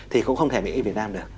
thì cũng không thể made in việt nam được